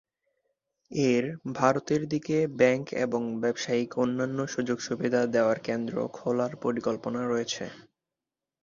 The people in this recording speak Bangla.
এর ভারতের দিকে ব্যাংক এবং ব্যবসায়িক অন্যান্য সুযোগ-সুবিধা দেওয়ার কেন্দ্র খোলার পরিকল্পনা রয়েছে।